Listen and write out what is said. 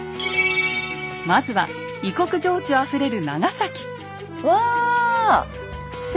まずは異国情緒あふれる長崎。